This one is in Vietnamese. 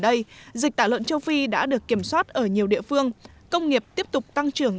đây dịch tả lợn châu phi đã được kiểm soát ở nhiều địa phương công nghiệp tiếp tục tăng trưởng